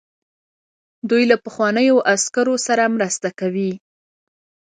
دوی له پخوانیو عسکرو سره مرسته کوي.